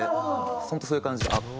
本当そういう感じあって。